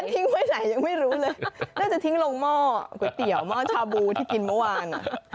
หล่อยไปไหนไม่รู้เลยน่าจะทิ้งลงหม้อก๋วยเตี๋ยวหม้อชาบูที่ทิ้งวันนี้